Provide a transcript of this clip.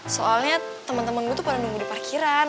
soalnya temen temen gua tuh pada nunggu di parkiran